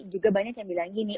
juga banyak yang bilang gini